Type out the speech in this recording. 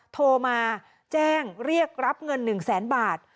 โทรมาแจ้งเรียกรับเงิน๑แสนบาท